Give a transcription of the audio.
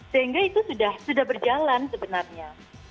sehingga itu sudah berjalan sebenarnya